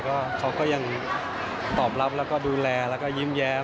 ก็เขาก็ยังตอบรับแล้วก็ดูแลแล้วก็ยิ้มแย้ม